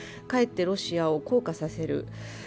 かえってロシアを硬化させる。